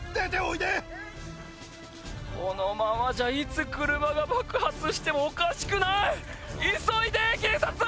このままじゃいつ車が爆発してもおかしくない急いで警察！